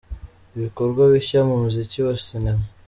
Ibikorwa bishya mu muziki na sinema.